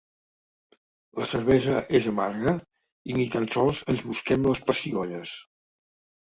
La cervesa és amarga i ni tan sols ens busquem les pessigolles.